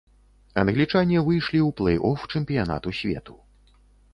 Англічане выйшлі ў плэй-оф чэмпіянату свету.